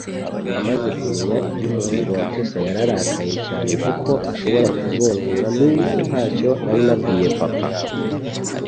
Amaze kumenya iby'umuhungu wa Tessa, yararakaye cyane kuko ashobora kuzungura - nubwo ntacyo nari nabwiye papa.